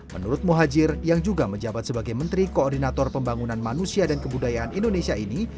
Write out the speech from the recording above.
menurut muhajir yang juga menjabat sebagai menteri koordinator pembangunan manusia dan kebudayaan indonesia ini